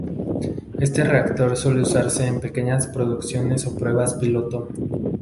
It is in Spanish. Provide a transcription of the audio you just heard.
Este reactor suele usarse en pequeñas producciones o pruebas piloto.